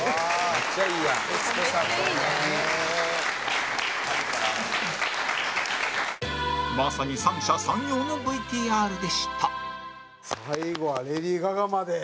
「めっちゃいいじゃん」まさに三者三様の ＶＴＲ でした最後はレディー・ガガまで。